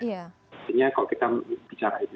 artinya kalau kita bicara itu